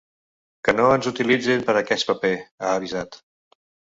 Que no ens utilitzin per a aquest paper, ha avisat.